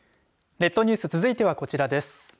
列島ニュース続いてはこちらです。